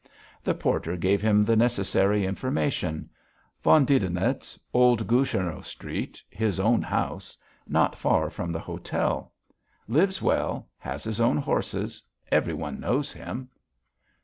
The porter gave him the necessary information: von Didenitz; Old Goucharno Street, his own house not far from the hotel; lives well, has his own horses, every one knows him.